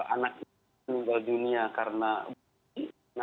anak ini meninggal dunia karena bullying